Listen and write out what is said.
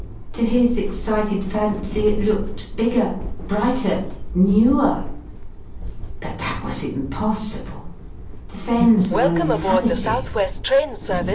To his excited fancy it looked bigger, brighter, newer! But that was impossible! The Fens were uninhabited.